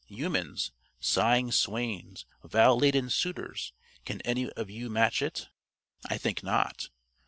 Humans sighing swains, vow laden suitors can any of you match it? I think not.